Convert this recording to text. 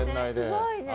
すごいね。